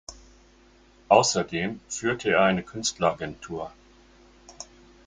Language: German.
Außerdem führte er eine Künstleragentur.